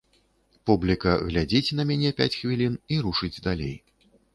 Публіка глядзіць на мяне пяць хвілін і рушыць далей.